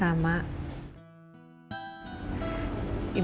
mai masih sama